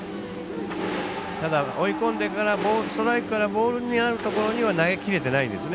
ただ、追い込んでからストライクからボールになるところには投げ切れてないですね。